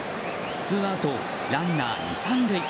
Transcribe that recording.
ツーアウトランナー２、３塁。